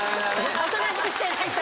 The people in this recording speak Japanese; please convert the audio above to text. おとなしくしてないと。